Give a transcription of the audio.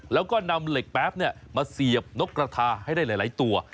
แล้วก็นำเหล็กแป๊บมาเสียบนกกระทาให้ได้หลายตัว